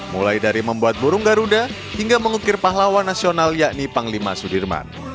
mulai dari membuat burung garuda hingga mengukir pahlawan nasional yakni panglima sudirman